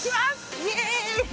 イエーイ！